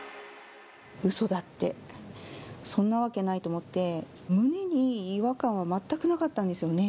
うそだって、そんなわけないと思って、胸に違和感は全くなかったんですよね。